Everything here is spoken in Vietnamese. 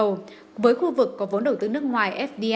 tuy nhiên phát triển mạnh mẽ khu vực có vốn đầu tư nước ngoài